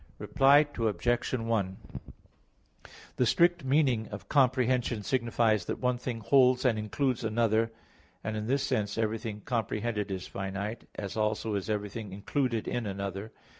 Reply Obj. 1: The strict meaning of "comprehension" signifies that one thing holds and includes another; and in this sense everything comprehended is finite, as also is everything included in another.